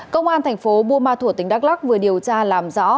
công an tp bua ma thủa tỉnh đắk lắc vừa điều tra làm rõ